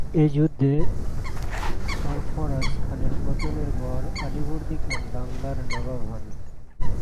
এ-যুদ্ধে সরফরাজ খানের পতনের পর আলীবর্দী খান বাংলার নবাব হন।